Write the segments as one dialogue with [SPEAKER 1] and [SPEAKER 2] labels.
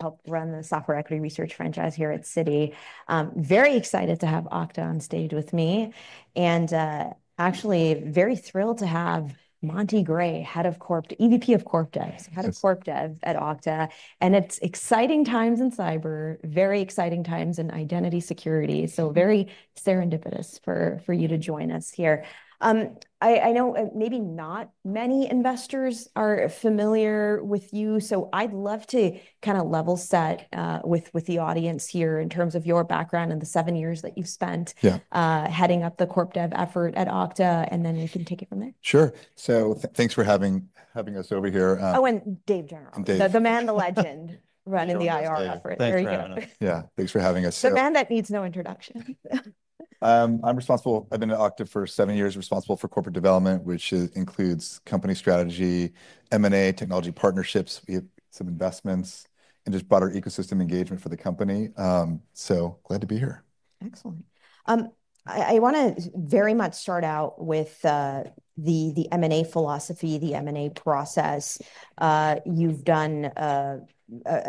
[SPEAKER 1] Helped run the software equity research franchise here at Citi. Very excited to have Okta on stage with me, and actually very thrilled to have Monty Gray, head of EVP of CorpDev, head of CorpDev at Okta, and it's exciting times in cyber, very exciting times in identity security, so very serendipitous for you to join us here. I know maybe not many investors are familiar with you, so I'd love to kind of level set with the audience here in terms of your background and the seven years that you've spent heading up the CorpDev effort at Okta, and then we can take it from there.
[SPEAKER 2] Sure. So thanks for having us over here. Oh, and Dave Gennarelli, the man, the legend running the IR effort.
[SPEAKER 3] Thanks. There you go.
[SPEAKER 2] Yeah, thanks for having us. The man that needs no introduction. I'm responsible. I've been at Okta for seven years, responsible for corporate development, which includes company strategy, M&A, technology partnerships, we have some investments, and just broader ecosystem engagement for the company. So glad to be here. Excellent. I want to very much start out with the M&A philosophy, the M&A process. You've done a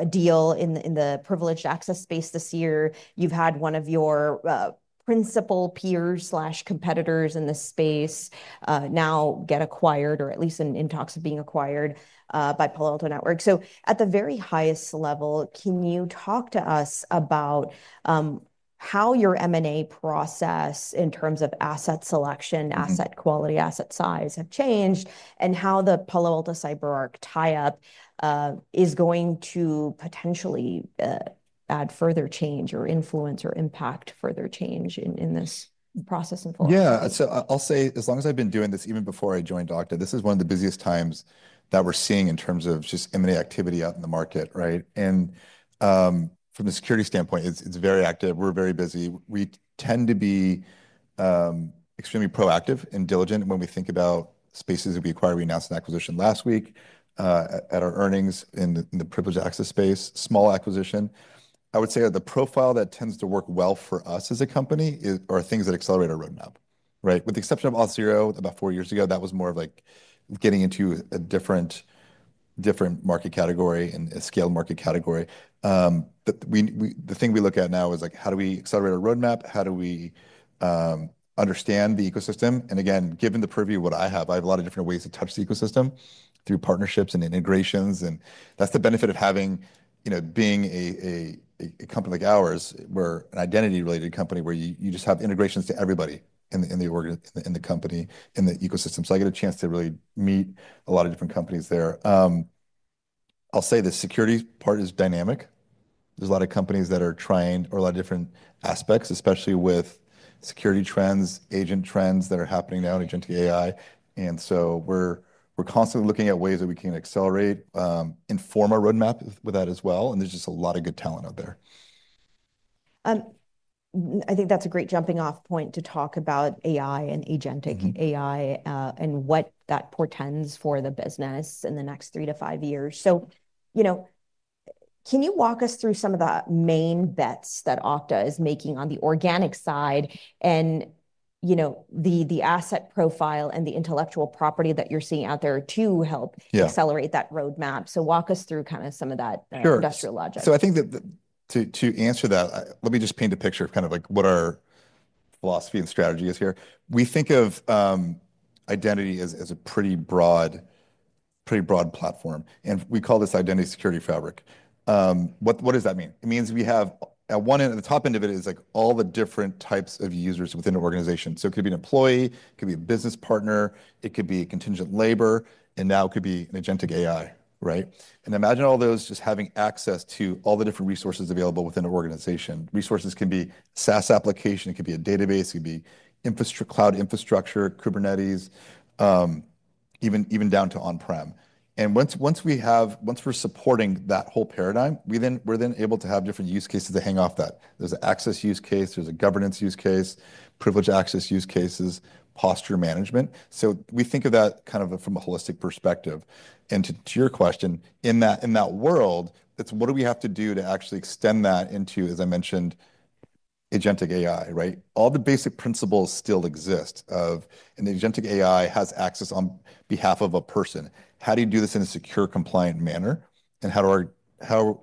[SPEAKER 2] deal in the Privileged Access space this year. You've had one of your principal peers/competitors in this space now get acquired, or at least in talks of being acquired by Palo Alto Networks. So at the very highest level, can you talk to us about how your M&A process in terms of asset selection, asset quality, asset size have changed, and how the Palo Alto Networks CyberArk tie-up is going to potentially add further change or influence or impact further change in this process and philosophy? Yeah, so I'll say, as long as I've been doing this, even before I joined Okta, this is one of the busiest times that we're seeing in terms of just M&A activity out in the market, right? And from the security standpoint, it's very active. We're very busy. We tend to be extremely proactive and diligent when we think about spaces that we acquire. We announced an acquisition last week at our earnings in the Privileged Access space, small acquisition. I would say that the profile that tends to work well for us as a company are things that accelerate our roadmap, right? With the exception of Auth0 about four years ago, that was more of like getting into a different market category and a scaled market category, but the thing we look at now is like, how do we accelerate our roadmap? How do we understand the ecosystem? And again, given the purview of what I have, I have a lot of different ways to touch the ecosystem through partnerships and integrations. And that's the benefit of having, you know, being a company like ours. We're an identity-related company where you just have integrations to everybody in the company, in the ecosystem. So I get a chance to really meet a lot of different companies there. I'll say the security part is dynamic. There's a lot of companies that are trying or a lot of different aspects, especially with security trends, agentic trends that are happening now, agentic AI. And so we're constantly looking at ways that we can accelerate, inform our roadmap with that as well. And there's just a lot of good talent out there. I think that's a great jumping-off point to talk about AI and agentic AI and what that portends for the business in the next three to five years. So, you know, can you walk us through some of the main bets that Okta is making on the organic side and, you know, the asset profile and the intellectual property that you're seeing out there to help accelerate that roadmap? So walk us through kind of some of that industrial logic. Sure. So I think that to answer that, let me just paint a picture of kind of like what our philosophy and strategy is here. We think of identity as a pretty broad platform, and we call this Identity Security Fabric. What does that mean? It means we have at one end, at the top end of it is like all the different types of users within an organization. So it could be an employee, it could be a business partner, it could be contingent labor, and now it could be an agentic AI, right? And imagine all those just having access to all the different resources available within an organization. Resources can be SaaS application, it could be a database, it could be cloud infrastructure, Kubernetes, even down to on-prem. And once we're supporting that whole paradigm, we're then able to have different use cases that hang off that. There's an access use case, there's a governance use case, Privileged Access use cases, posture management. So we think of that kind of from a holistic perspective. And to your question, in that world, it's what do we have to do to actually extend that into, as I mentioned, agentic AI, right? All the basic principles still exist of an agentic AI has access on behalf of a person. How do you do this in a secure, compliant manner? And how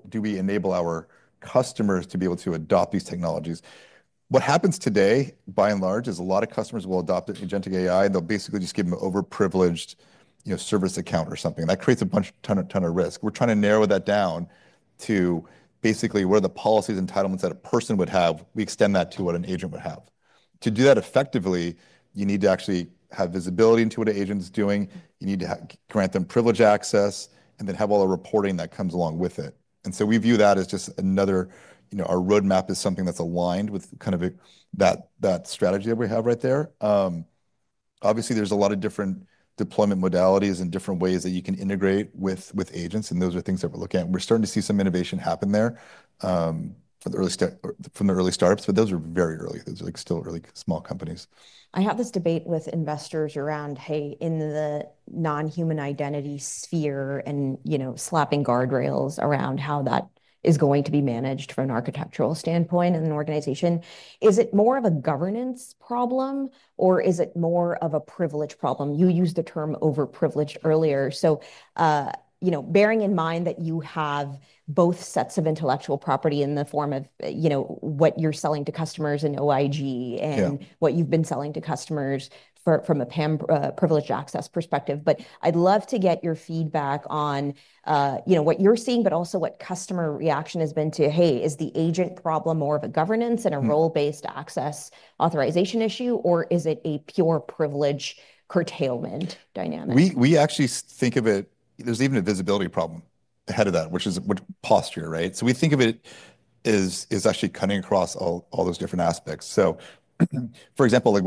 [SPEAKER 2] do we enable our customers to be able to adopt these technologies? What happens today, by and large, is a lot of customers will adopt agentic AI. They'll basically just give them an overprivileged service account or something. That creates a ton of risk. We're trying to narrow that down to basically what are the policies and entitlements that a person would have. We extend that to what an agent would have. To do that effectively, you need to actually have visibility into what an agent is doing. You need to grant them Privileged Access and then have all the reporting that comes along with it. And so we view that as just another, you know, our roadmap is something that's aligned with kind of that strategy that we have right there. Obviously, there's a lot of different deployment modalities and different ways that you can integrate with agents, and those are things that we're looking at. We're starting to see some innovation happen there from the early startups, but those are very early. Those are like still really small companies. I have this debate with investors around, hey, in the non-human identity sphere and, you know, slapping guardrails around how that is going to be managed from an architectural standpoint in an organization. Is it more of a governance problem or is it more of a privilege problem? You used the term overprivileged earlier. So, you know, bearing in mind that you have both sets of intellectual property in the form of, you know, what you're selling to customers in OIG and what you've been selling to customers from a Privileged Access perspective. But I'd love to get your feedback on, you know, what you're seeing, but also what customer reaction has been to, hey, is the agent problem more of a governance and a role-based access authorization issue, or is it a pure privilege curtailment dynamic? We actually think of it. There's even a visibility problem ahead of that, which is posture, right? So we think of it as actually cutting across all those different aspects. So, for example, like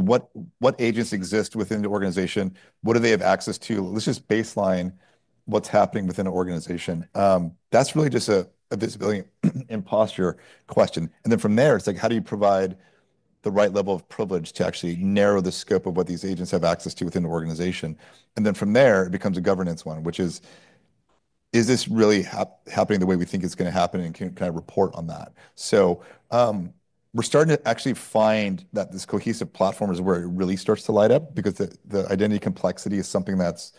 [SPEAKER 2] what agents exist within the organization, what do they have access to? Let's just baseline what's happening within an organization. That's really just a visibility and posture question. And then from there, it's like, how do you provide the right level of privilege to actually narrow the scope of what these agents have access to within the organization? And then from there, it becomes a governance one, which is, is this really happening the way we think it's going to happen and can I report on that? So we're starting to actually find that this cohesive platform is where it really starts to light up because the identity complexity is something that's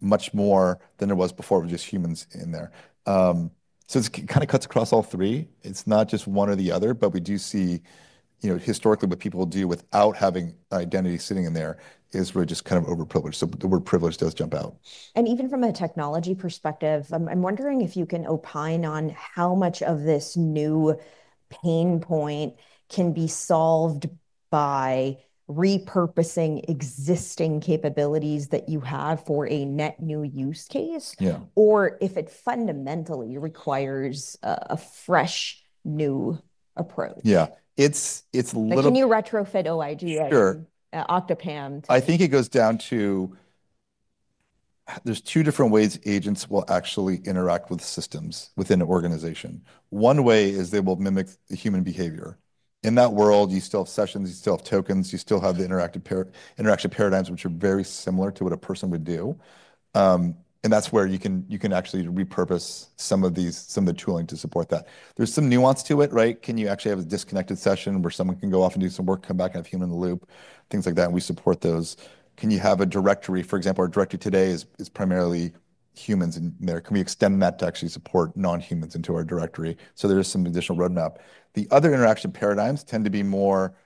[SPEAKER 2] much more than it was before with just humans in there. So it kind of cuts across all three. It's not just one or the other, but we do see, you know, historically what people do without having identity sitting in there is we're just kind of overprivileged. So the word privilege does jump out. Even from a technology perspective, I'm wondering if you can opine on how much of this new pain point can be solved by repurposing existing capabilities that you have for a net new use case or if it fundamentally requires a fresh new approach? Yeah, it's a little. Can you retrofit OIG? Sure. Okta PAM. I think it goes down to there's two different ways agents will actually interact with systems within an organization. One way is they will mimic human behavior. In that world, you still have sessions, you still have tokens, you still have the interactive paradigms, which are very similar to what a person would do. And that's where you can actually repurpose some of the tooling to support that. There's some nuance to it, right? Can you actually have a disconnected session where someone can go off and do some work, come back and have a human in the loop, things like that? And we support those. Can you have a directory, for example, our directory today is primarily humans in there. Can we extend that to actually support non-humans into our directory? So there is some additional roadmap. The other interaction paradigms tend to be more,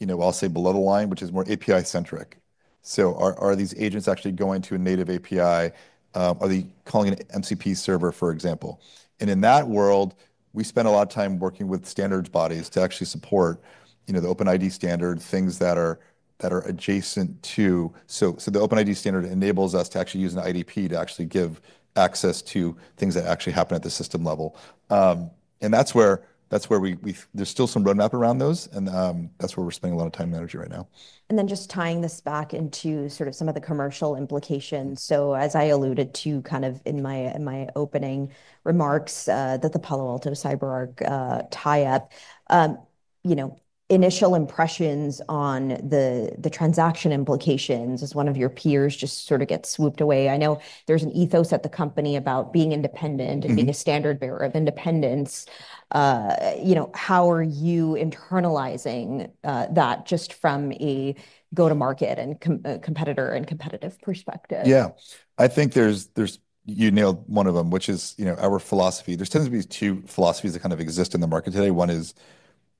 [SPEAKER 2] you know, I'll say below the line, which is more API-centric. So are these agents actually going to a native API? Are they calling an MCP server, for example? And in that world, we spend a lot of time working with standards bodies to actually support, you know, the OpenID standard, things that are adjacent to. So the OpenID standard enables us to actually use an IDP to actually give access to things that actually happen at the system level. And that's where there's still some roadmap around those, and that's where we're spending a lot of time and energy right now. And then just tying this back into sort of some of the commercial implications. So as I alluded to kind of in my opening remarks that the Palo Alto CyberArk tie-up, you know, initial impressions on the transaction implications as one of your peers just sort of gets swooped away. I know there's an ethos at the company about being independent and being a standard bearer of independence. You know, how are you internalizing that just from a go-to-market and competitor and competitive perspective? Yeah, I think you nailed one of them, which is, you know, our philosophy. There tends to be two philosophies that kind of exist in the market today. One is,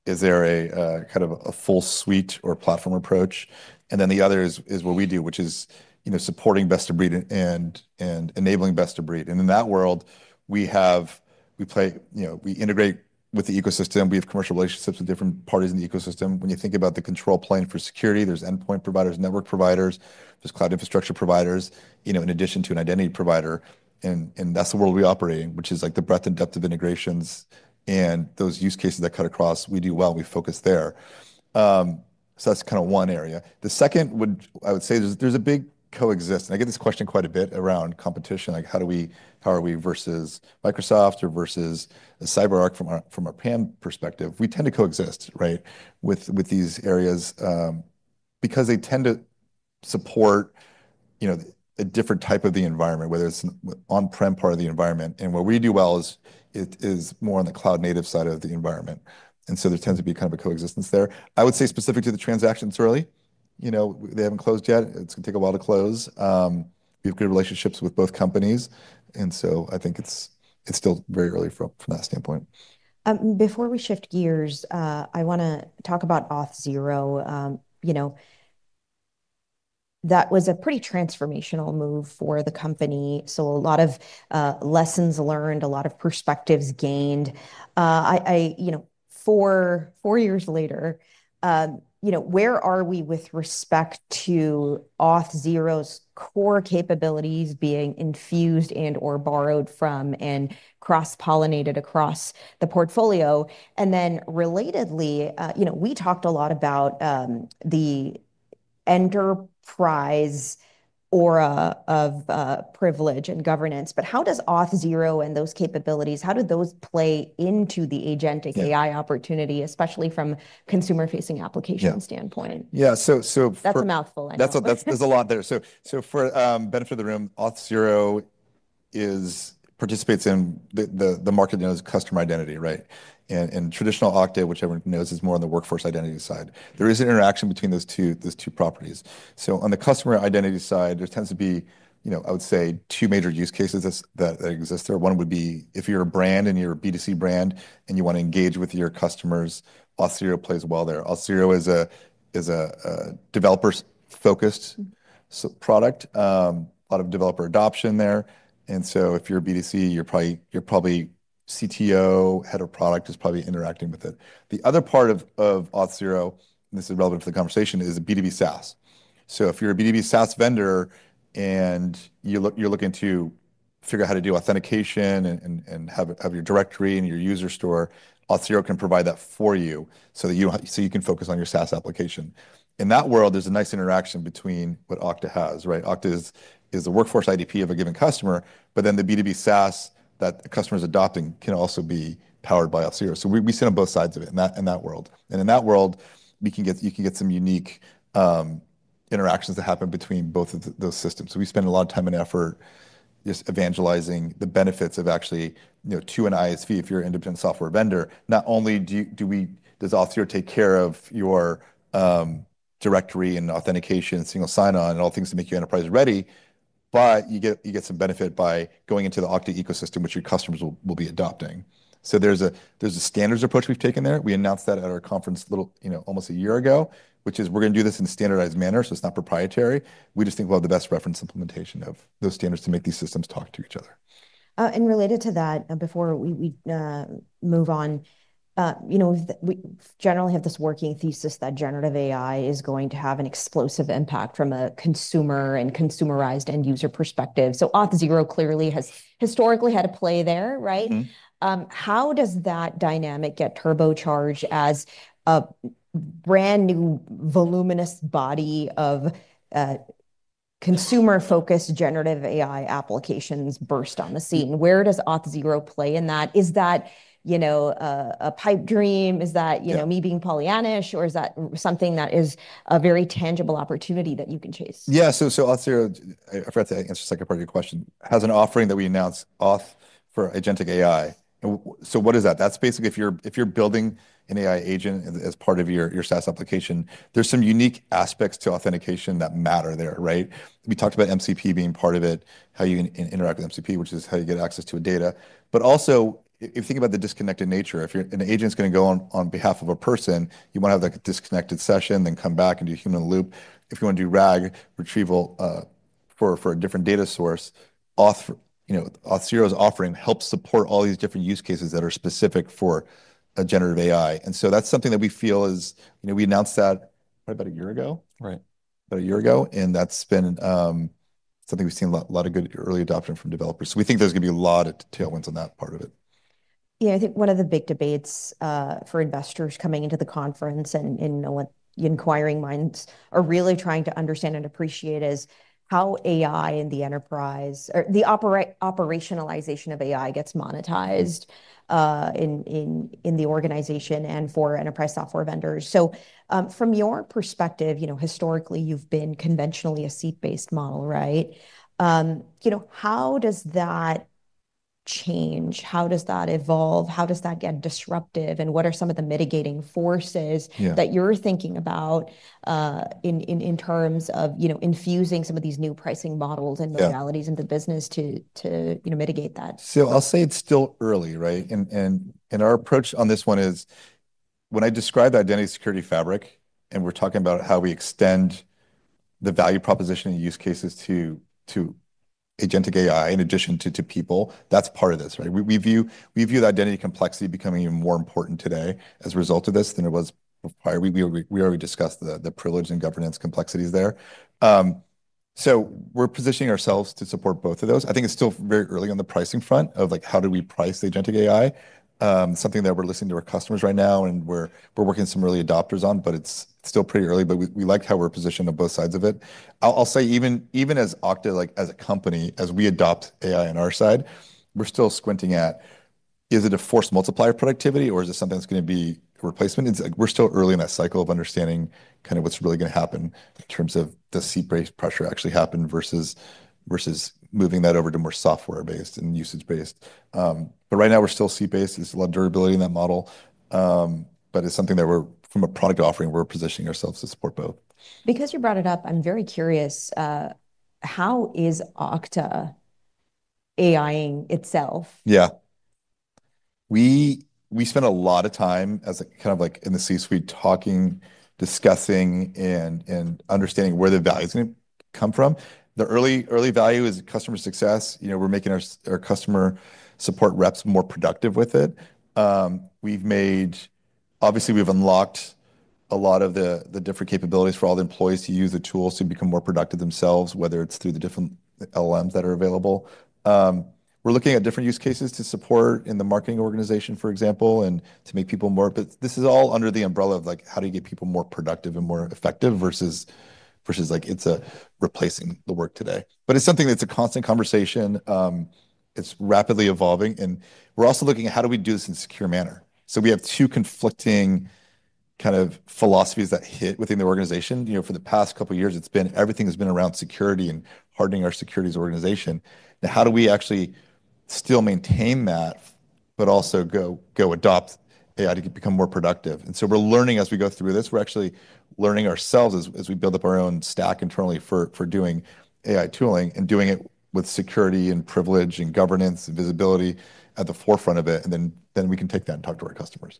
[SPEAKER 2] is there a kind of a full suite or platform approach? And then the other is what we do, which is, you know, supporting best of breed and enabling best of breed. And in that world, we play, you know, we integrate with the ecosystem. We have commercial relationships with different parties in the ecosystem. When you think about the control plane for security, there's endpoint providers, network providers, there's cloud infrastructure providers, you know, in addition to an identity provider. And that's the world we operate in, which is like the breadth and depth of integrations and those use cases that cut across. We do well and we focus there. So that's kind of one area. The second would, I would say, there's a big coexistence. I get this question quite a bit around competition, like how are we versus Microsoft or versus CyberArk from our PAM perspective. We tend to coexist, right, with these areas because they tend to support, you know, a different type of the environment, whether it's an on-prem part of the environment. What we do well is more on the cloud-native side of the environment. So there tends to be kind of a coexistence there. I would say specific to the transactions early, you know, they haven't closed yet. It's going to take a while to close. We have good relationships with both companies. So I think it's still very early from that standpoint. Before we shift gears, I want to talk about Auth0. You know, that was a pretty transformational move for the company. So a lot of lessons learned, a lot of perspectives gained. You know, four years later, you know, where are we with respect to Auth0's core capabilities being infused and/or borrowed from and cross-pollinated across the portfolio? And then relatedly, you know, we talked a lot about the enterprise era of privilege and governance, but how does Auth0 and those capabilities, how do those play into the agentic AI opportunity, especially from a consumer-facing application standpoint? Yeah, so for. That's a mouthful. That's a lot there. So for the benefit of the room, Auth0 participates in the market as customer identity, right? And traditional Okta, which everyone knows, is more on the workforce identity side. There is an interaction between those two properties. So on the customer identity side, there tends to be, you know, I would say two major use cases that exist there. One would be if you're a brand and you're a B2C brand and you want to engage with your customers, Auth0 plays well there. Auth0 is a developer-focused product, a lot of developer adoption there. And so if you're a B2C, you're probably CTO, head of product is probably interacting with it. The other part of Auth0, and this is relevant for the conversation, is B2B SaaS. So if you're a B2B SaaS vendor and you're looking to figure out how to do authentication and have your directory and your user store, Auth0 can provide that for you so that you can focus on your SaaS application. In that world, there's a nice interaction between what Okta has, right? Okta is the workforce IDP of a given customer, but then the B2B SaaS that the customer is adopting can also be powered by Auth0. So we sit on both sides of it in that world. And in that world, you can get some unique interactions that happen between both of those systems. We spend a lot of time and effort just evangelizing the benefits of actually, you know, to an ISV, if you're an independent software vendor, not only does Auth0 take care of your directory and authentication and single sign-on and all things to make your enterprise ready, but you get some benefit by going into the Okta ecosystem, which your customers will be adopting. There's a standards approach we've taken there. We announced that at our conference, you know, almost a year ago, which is we're going to do this in a standardized manner, so it's not proprietary. We just think we'll have the best reference implementation of those standards to make these systems talk to each other. And related to that, before we move on, you know, we generally have this working thesis that generative AI is going to have an explosive impact from a consumer and consumerized end user perspective. So Auth0 clearly has historically had a play there, right? How does that dynamic get turbocharged as a brand new voluminous body of consumer-focused generative AI applications burst on the scene? Where does Auth0 play in that? Is that, you know, a pipe dream? Is that, you know, me being pollyannish, or is that something that is a very tangible opportunity that you can chase? Yeah, so Auth0, I forgot to answer a second part of your question, has an offering that we announced, Auth for Agentic AI. So what is that? That's basically if you're building an AI agent as part of your SaaS application, there's some unique aspects to authentication that matter there, right? We talked about MCP being part of it, how you can interact with MCP, which is how you get access to data. But also, if you think about the disconnected nature, if an agent's going to go on behalf of a person, you want to have a disconnected session, then come back and do human in the loop. If you want to do RAG retrieval for a different data source, Auth0's offering helps support all these different use cases that are specific for a generative AI. And so that's something that we feel is, you know, we announced that probably about a year ago.
[SPEAKER 3] Right.
[SPEAKER 2] About a year ago, and that's been something we've seen a lot of good early adoption from developers. So we think there's going to be a lot of tailwinds on that part of it. Yeah, I think one of the big debates for investors coming into the conference and inquiring minds are really trying to understand and appreciate is how AI and the enterprise or the operationalization of AI gets monetized in the organization and for enterprise software vendors. So from your perspective, you know, historically you've been conventionally a seat-based model, right? You know, how does that change? How does that evolve? How does that get disruptive? And what are some of the mitigating forces that you're thinking about in terms of, you know, infusing some of these new pricing models and modalities in the business to, you know, mitigate that? So I'll say it's still early, right? And our approach on this one is when I describe the Identity Security Fabric and we're talking about how we extend the value proposition and use cases to agentic AI in addition to people, that's part of this, right? We view the identity complexity becoming even more important today as a result of this than it was prior. We already discussed the privilege and governance complexities there. So we're positioning ourselves to support both of those. I think it's still very early on the pricing front of like how do we price the agentic AI? Something that we're listening to our customers right now and we're working with some early adopters on, but it's still pretty early, but we like how we're positioned on both sides of it. I'll say even as Okta, like as a company, as we adopt AI on our side, we're still squinting at, is it a force multiplier productivity or is it something that's going to be a replacement? We're still early in that cycle of understanding kind of what's really going to happen in terms of the seat-based pressure actually happening versus moving that over to more software-based and usage-based. But right now we're still seat-based. There's a lot of durability in that model, but it's something that, from a product offering, we're positioning ourselves to support both. Because you brought it up, I'm very curious, how is Okta AI-ing itself? Yeah. We spend a lot of time as kind of like in the C-suite talking, discussing, and understanding where the value is going to come from. The early value is customer success. You know, we're making our customer support reps more productive with it. Obviously, we've unlocked a lot of the different capabilities for all the employees to use the tools to become more productive themselves, whether it's through the different LLMs that are available. We're looking at different use cases to support in the marketing organization, for example, and to make people more, but this is all under the umbrella of like how do you get people more productive and more effective versus like it's replacing the work today, but it's something that's a constant conversation. It's rapidly evolving, and we're also looking at how do we do this in a secure manner. So we have two conflicting kind of philosophies that hit within the organization. You know, for the past couple of years, it's been everything has been around security and hardening our security organization. Now, how do we actually still maintain that, but also go adopt AI to become more productive? And so we're learning as we go through this. We're actually learning ourselves as we build up our own stack internally for doing AI tooling and doing it with security and privilege and governance and visibility at the forefront of it. And then we can take that and talk to our customers.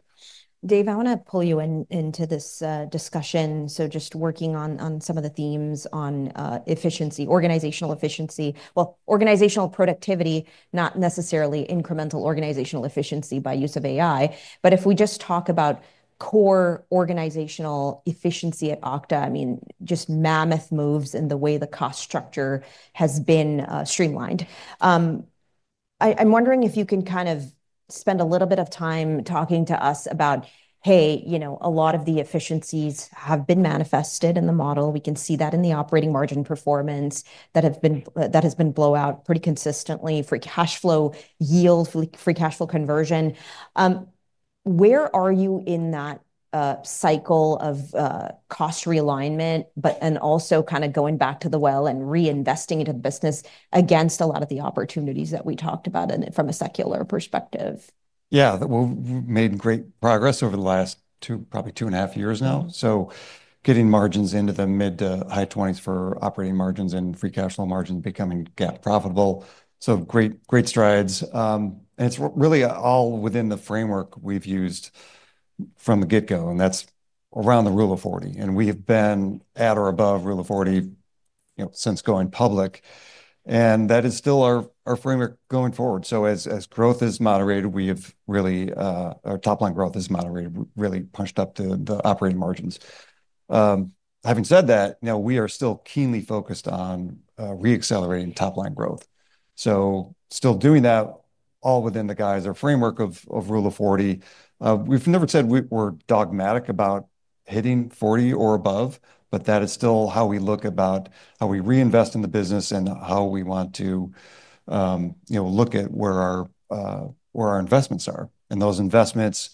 [SPEAKER 2] Dave, I want to pull you into this discussion. So just working on some of the themes on efficiency, organizational efficiency, well, organizational productivity, not necessarily incremental organizational efficiency by use of AI. But if we just talk about core organizational efficiency at Okta, I mean, just mammoth moves in the way the cost structure has been streamlined. I'm wondering if you can kind of spend a little bit of time talking to us about, hey, you know, a lot of the efficiencies have been manifested in the model. We can see that in the operating margin performance that has been blow out pretty consistently for cash flow yield, free cash flow conversion. Where are you in that cycle of cost realignment, but also kind of going back to the well and reinvesting into the business against a lot of the opportunities that we talked about from a secular perspective?
[SPEAKER 3] Yeah, we've made great progress over the last two, probably two and a half years now. So getting margins into the mid to high 20s for operating margins and free cash flow margins becoming profitable. So great strides. And it's really all within the framework we've used from the get-go, and that's around the Rule of 40. And we have been at or above Rule of 40, you know, since going public. And that is still our framework going forward. So as growth is moderated, we have really, our top-line growth is moderated, really punched up to the operating margins. Having said that, now we are still keenly focused on re-accelerating top-line growth. So still doing that all within the guise or framework of Rule of 40. We've never said we're dogmatic about hitting 40 or above, but that is still how we look about how we reinvest in the business and how we want to, you know, look at where our investments are. And those investments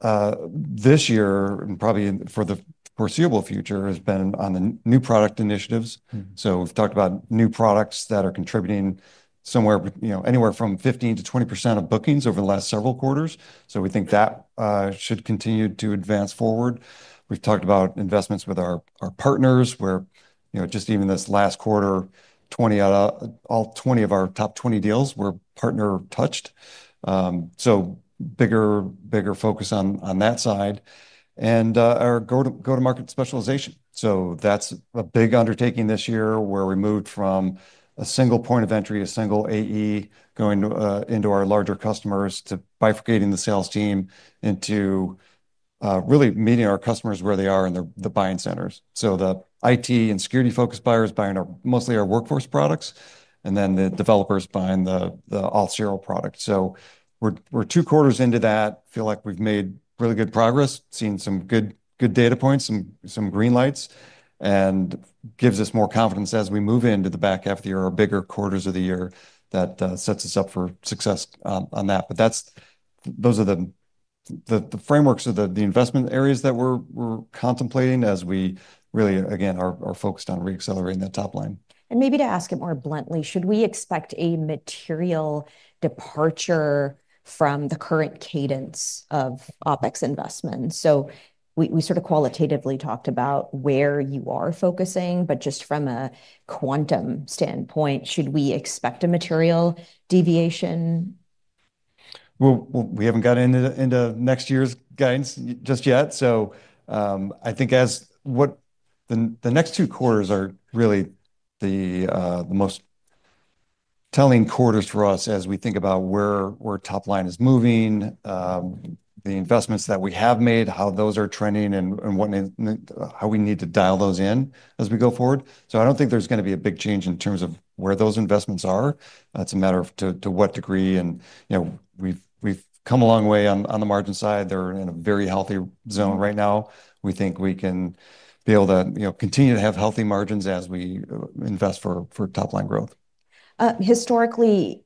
[SPEAKER 3] this year and probably for the foreseeable future have been on the new product initiatives. So we've talked about new products that are contributing somewhere, you know, anywhere from 15%-20% of bookings over the last several quarters. So we think that should continue to advance forward. We've talked about investments with our partners where, you know, just even this last quarter, all 20 of our top 20 deals were partner touched. So bigger focus on that side and our go-to-market specialization. So that's a big undertaking this year where we moved from a single point of entry, a single AE going into our larger customers to bifurcating the sales team into really meeting our customers where they are in the buying centers. So the IT and security-focused buyers buying mostly our workforce products and then the developers buying the Auth0 product. So we're two quarters into that. Feel like we've made really good progress, seen some good data points, some green lights, and gives us more confidence as we move into the back half of the year or bigger quarters of the year that sets us up for success on that. But those are the frameworks of the investment areas that we're contemplating as we really, again, are focused on re-accelerating that top line. And maybe to ask it more bluntly, should we expect a material departure from the current cadence of OpEx investment? So we sort of qualitatively talked about where you are focusing, but just from a quantum standpoint, should we expect a material deviation? We haven't gotten into next year's guidance just yet. I think as what the next two quarters are really the most telling quarters for us as we think about where top line is moving, the investments that we have made, how those are trending and how we need to dial those in as we go forward. I don't think there's going to be a big change in terms of where those investments are. It's a matter of to what degree. You know, we've come a long way on the margin side. They're in a very healthy zone right now. We think we can be able to continue to have healthy margins as we invest for top-line growth. Historically,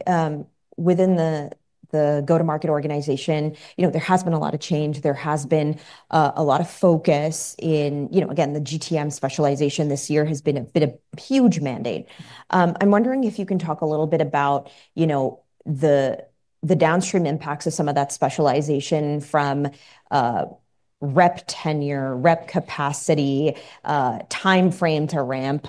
[SPEAKER 3] within the go-to-market organization, you know, there has been a lot of change. There has been a lot of focus in, you know, again, the GTM specialization this year has been a huge mandate. I'm wondering if you can talk a little bit about, you know, the downstream impacts of some of that specialization from rep tenure, rep capacity, timeframe to ramp.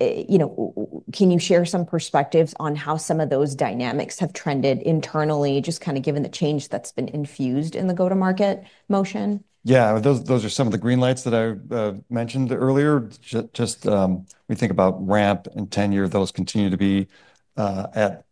[SPEAKER 3] You know, can you share some perspectives on how some of those dynamics have trended internally, just kind of given the change that's been infused in the go-to-market motion? Yeah, those are some of the green lights that I mentioned earlier. Just we think about ramp and tenure, those continue to be at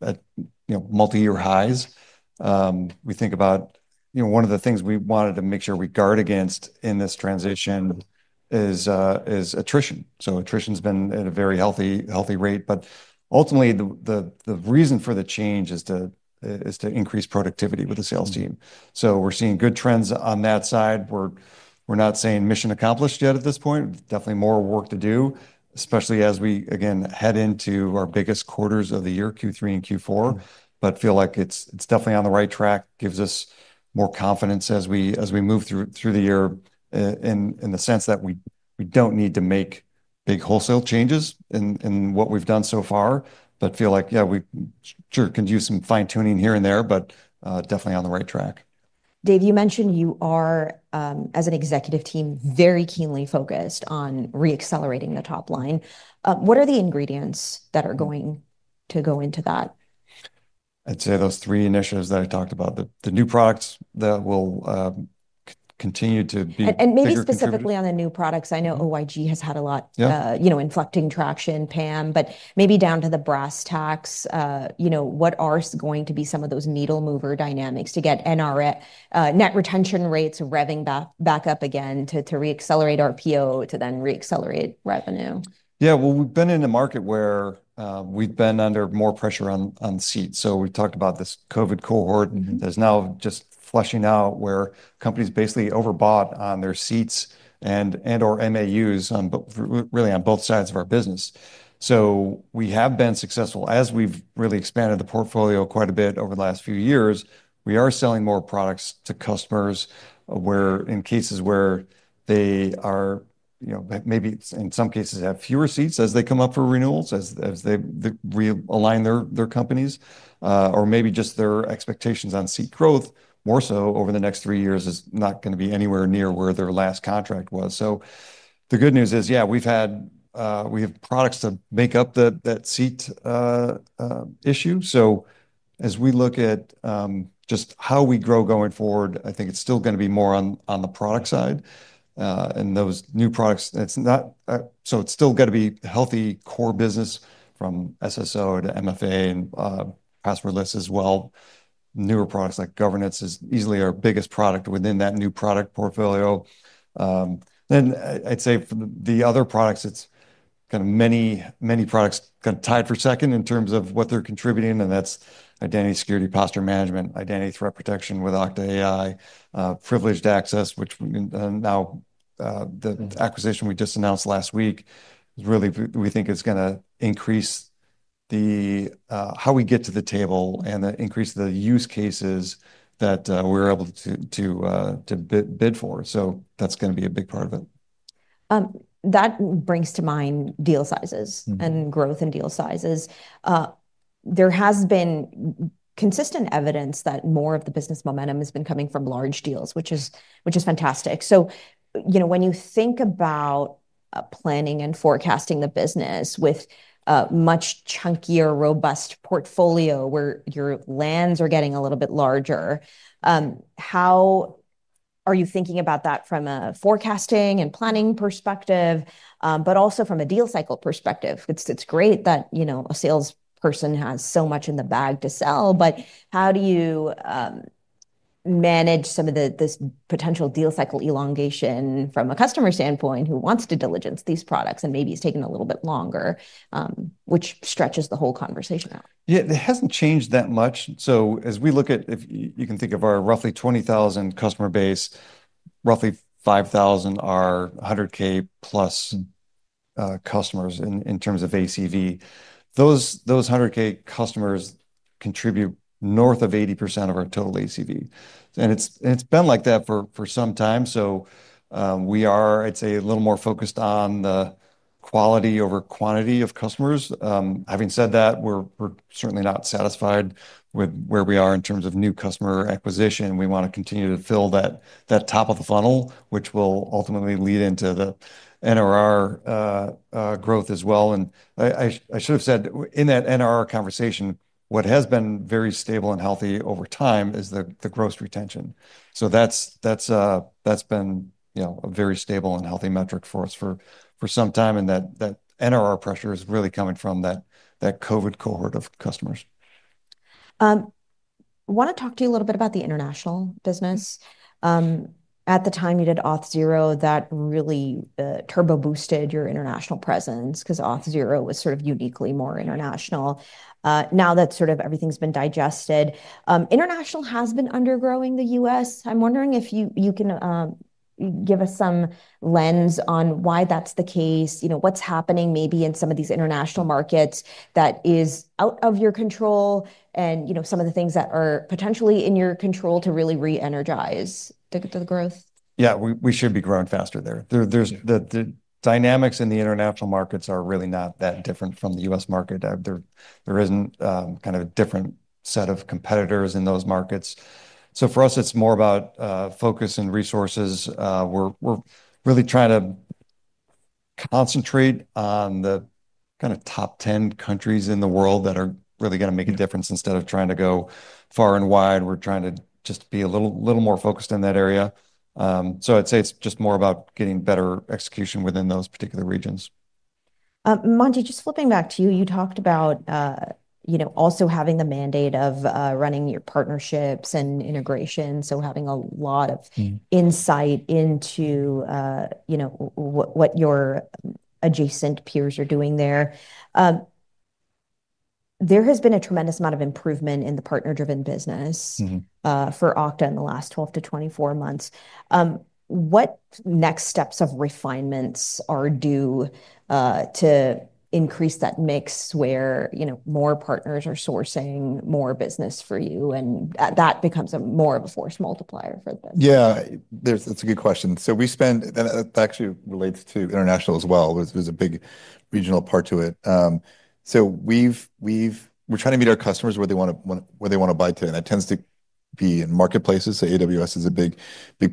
[SPEAKER 3] multi-year highs. We think about, you know, one of the things we wanted to make sure we guard against in this transition is attrition. So attrition has been at a very healthy rate, but ultimately the reason for the change is to increase productivity with the sales team. So we're seeing good trends on that side. We're not saying mission accomplished yet at this point. Definitely more work to do, especially as we, again, head into our biggest quarters of the year, Q3 and Q4, but feel like it's definitely on the right track. It gives us more confidence as we move through the year in the sense that we don't need to make big wholesale changes in what we've done so far, but feel like, yeah, we sure can do some fine-tuning here and there, but definitely on the right track. Dave, you mentioned you are, as an executive team, very keenly focused on re-accelerating the top line. What are the ingredients that are going to go into that? I'd say those three initiatives that I talked about, the new products that will continue to be the focus. Maybe specifically on the new products. I know OIG has had a lot, you know, inflecting traction, PAM, but maybe down to the brass tacks, you know, what are going to be some of those needle-mover dynamics to get net retention rates revving back up again to re-accelerate RPO, to then re-accelerate revenue? Yeah, well, we've been in a market where we've been under more pressure on seats. So we talked about this COVID cohort that's now just flushing out where companies basically overbought on their seats and/or MAUs really on both sides of our business. So we have been successful as we've really expanded the portfolio quite a bit over the last few years. We are selling more products to customers where in cases where they are, you know, maybe in some cases have fewer seats as they come up for renewals as they realign their companies or maybe just their expectations on seat growth more so over the next three years is not going to be anywhere near where their last contract was. So the good news is, yeah, we've had, we have products to make up that seat issue. So as we look at just how we grow going forward, I think it's still going to be more on the product side and those new products. So it's still going to be healthy core business from SSO to MFA and passwordless as well. Newer products like governance is easily our biggest product within that new product portfolio. Then I'd say the other products, it's kind of many, many products kind of tied for second in terms of what they're contributing. And that's Identity Security Posture Management, Identity Threat Protection with Okta AI, Privileged Access, which now the acquisition we just announced last week is really, we think it's going to increase the how we get to the table and increase the use cases that we're able to bid for. So that's going to be a big part of it. That brings to mind deal sizes and growth in deal sizes. There has been consistent evidence that more of the business momentum has been coming from large deals, which is fantastic. So, you know, when you think about planning and forecasting the business with a much chunkier, robust portfolio where your lands are getting a little bit larger, how are you thinking about that from a forecasting and planning perspective, but also from a deal cycle perspective? It's great that, you know, a salesperson has so much in the bag to sell, but how do you manage some of this potential deal cycle elongation from a customer standpoint who wants to diligence these products and maybe has taken a little bit longer, which stretches the whole conversation out? Yeah, it hasn't changed that much. So as we look at, if you can think of our roughly 20,000 customer base, roughly 5,000 customers are $100K plus customers in terms of ACV. Those $100K customers contribute north of 80% of our total ACV. And it's been like that for some time. So we are, I'd say, a little more focused on the quality over quantity of customers. Having said that, we're certainly not satisfied with where we are in terms of new customer acquisition. We want to continue to fill that top of the funnel, which will ultimately lead into the NRR growth as well. And I should have said in that NRR conversation, what has been very stable and healthy over time is the gross retention. So that's been a very stable and healthy metric for us for some time. That NRR pressure is really coming from that COVID cohort of customers. I want to talk to you a little bit about the international business. At the time you did Auth0, that really turbo-boosted your international presence because Auth0 was sort of uniquely more international. Now that sort of everything's been digested, international has been undergrowing the US. I'm wondering if you can give us some lens on why that's the case, you know, what's happening maybe in some of these international markets that is out of your control and, you know, some of the things that are potentially in your control to really re-energize the growth?
[SPEAKER 2] Yeah, we should be growing faster there. The dynamics in the international markets are really not that different from the U.S. market. There isn't kind of a different set of competitors in those markets. So for us, it's more about focus and resources. We're really trying to concentrate on the kind of top 10 countries in the world that are really going to make a difference instead of trying to go far and wide. We're trying to just be a little more focused in that area. So I'd say it's just more about getting better execution within those particular regions. Monty, just flipping back to you, you talked about, you know, also having the mandate of running your partnerships and integration, so having a lot of insight into, you know, what your adjacent peers are doing there. There has been a tremendous amount of improvement in the partner-driven business for Okta in the last 12 months to 24 months. What next steps of refinements are due to increase that mix where, you know, more partners are sourcing more business for you and that becomes more of a force multiplier for the business? Yeah, that's a good question. So we spend, that actually relates to international as well. There's a big regional part to it. So we're trying to meet our customers where they want to buy today. And that tends to be in marketplaces. So AWS is a big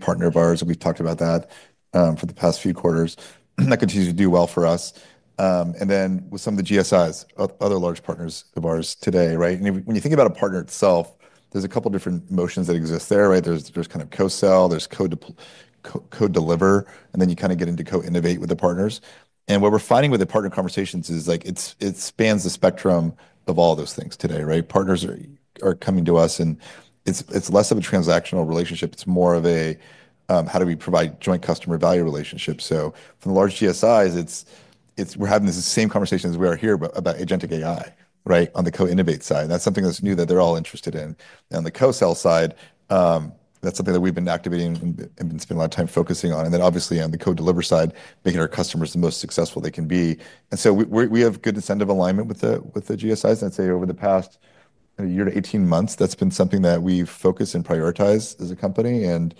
[SPEAKER 2] partner of ours. We've talked about that for the past few quarters. That continues to do well for us. And then with some of the GSIs, other large partners of ours today, right? And when you think about a partner itself, there's a couple of different motions that exist there, right? There's kind of co-sell, there's co-deliver, and then you kind of get into co-innovate with the partners. And what we're finding with the partner conversations is like it spans the spectrum of all those things today, right? Partners are coming to us and it's less of a transactional relationship. It's more of a, how do we provide joint customer value relationships? So for the large GSIs, we're having the same conversations we are here about agentic AI, right, on the co-innovate side. And that's something that's new that they're all interested in. And on the co-sell side, that's something that we've been activating and been spending a lot of time focusing on. And then obviously on the co-deliver side, making our customers the most successful they can be. And so we have good incentive alignment with the GSIs. I'd say over the past year to 18 months, that's been something that we focus and prioritize as a company. And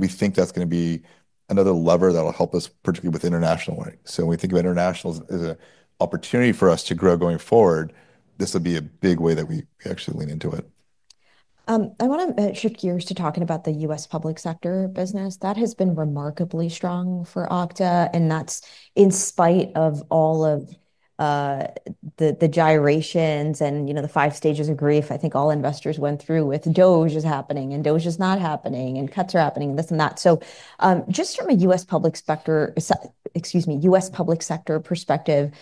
[SPEAKER 2] we think that's going to be another lever that'll help us, particularly with international one. So when we think of international as an opportunity for us to grow going forward, this will be a big way that we actually lean into it. I want to shift gears to talking about the U.S. public sector business. That has been remarkably strong for Okta, and that's in spite of all of the gyrations and, you know, the five stages of grief I think all investors went through, with DOGE is happening and DOGE is not happening and cuts are happening and this and that, so just from a U.S. public sector, excuse me, U.S. public sector perspective,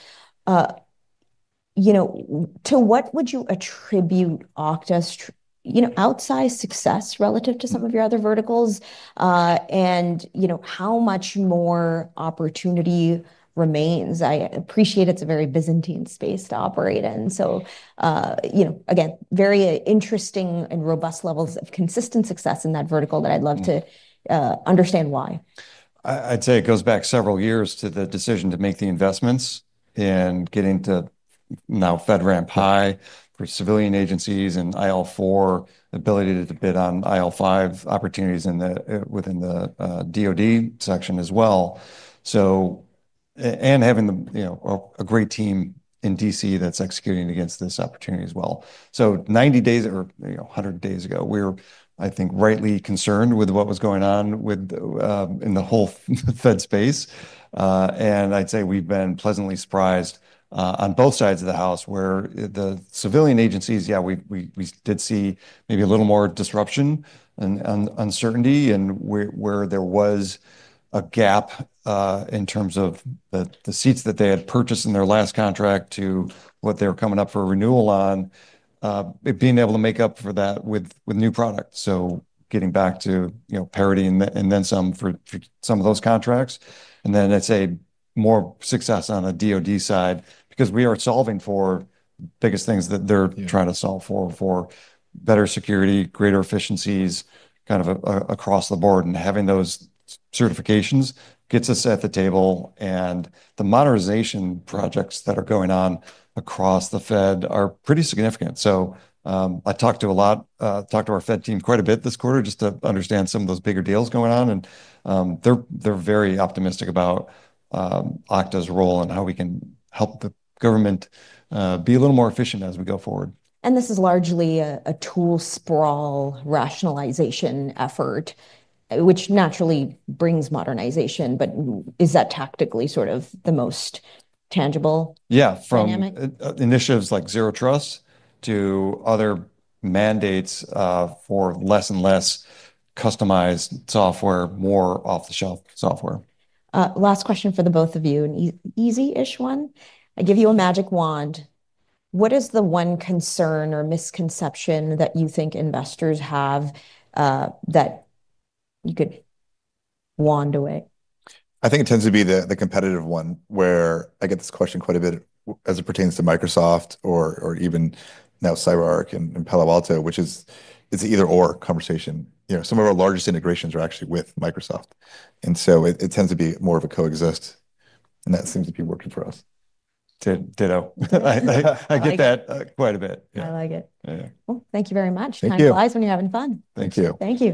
[SPEAKER 2] you know, to what would you attribute Okta's, you know, outsized success relative to some of your other verticals, and, you know, how much more opportunity remains? I appreciate it's a very Byzantine space to operate in, so, you know, again, very interesting and robust levels of consistent success in that vertical that I'd love to understand why.
[SPEAKER 3] I'd say it goes back several years to the decision to make the investments and getting to now FedRAMP High for civilian agencies and IL4 ability to bid on IL5 opportunities within the DOD section as well. So, and having a great team in DC that's executing against this opportunity as well. So 90 days or 100 days ago, we were, I think, rightly concerned with what was going on in the whole Fed space. And I'd say we've been pleasantly surprised on both sides of the house where the civilian agencies, yeah, we did see maybe a little more disruption and uncertainty and where there was a gap in terms of the seats that they had purchased in their last contract to what they were coming up for renewal on, being able to make up for that with new products. Getting back to, you know, parity and then some for some of those contracts. And then I'd say more success on the DOD side because we are solving for the biggest things that they're trying to solve for, for better security, greater efficiencies, kind of across the board. And having those certifications gets us at the table. And the modernization projects that are going on across the Fed are pretty significant. So I talked to our Fed team quite a bit this quarter just to understand some of those bigger deals going on. And they're very optimistic about Okta's role and how we can help the government be a little more efficient as we go forward. And this is largely a tool sprawl rationalization effort, which naturally brings modernization, but is that tactically sort of the most tangible dynamic?
[SPEAKER 2] Yeah, from initiatives like Zero Trust to other mandates for less and less customized software, more off-the-shelf software. Last question for the both of you, an easy-ish one. I give you a magic wand. What is the one concern or misconception that you think investors have that you could wand away? I think it tends to be the competitive one where I get this question quite a bit as it pertains to Microsoft or even now CyberArk and Palo Alto, which is, it's an either/or conversation. You know, some of our largest integrations are actually with Microsoft, and so it tends to be more of a co-exist, and that seems to be working for us.
[SPEAKER 3] Ditto. I get that quite a bit. I like it. Well, thank you very much. Time flies when you're having fun.
[SPEAKER 2] Thank you. Thank you.